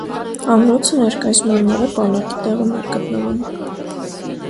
Ամրոցը ներկայիս մարամարե պալատի տեղում էր գտնվում։